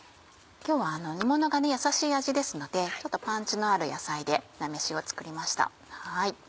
今日は煮ものがやさしい味ですのでちょっとパンチのある野菜で菜めしを作りました。